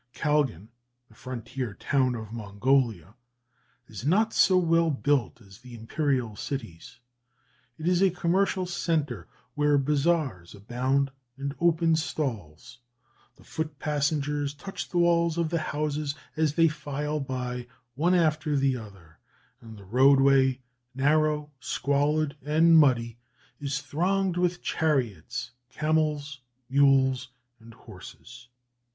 Kalgan, the frontier town of Mongolia, is not so well built as the imperial cities; it is a commercial centre, where bazaars abound, and open stalls; the foot passengers touch the walls of the houses as they file by, one after the other, and the roadway, narrow, squalid, and muddy, is thronged with chariots, camels, mules, and horses.